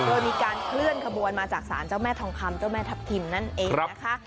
โดยมีการเคลื่อนขบวนมาจากศาลเจ้าแม่ทองคำเจ้าแม่ทัพทิมนั่นเองนะคะ